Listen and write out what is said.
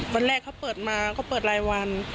วันแรกเขาเปิดมาเขาเปิดรายวัน